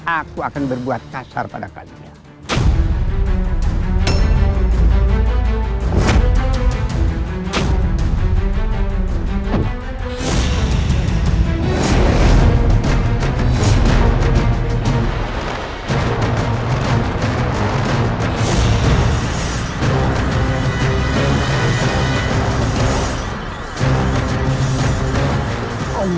aku akan berbuat kasar pada kalian